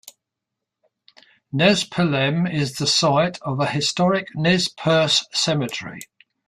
Nespelem is the site of a historic Nez Perce cemetery.